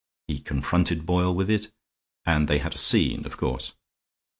He confronted Boyle with it, and they had a scene, of course.